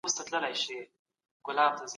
دلته د عامه مسئلو په اړه څیړني ترسره کیږي.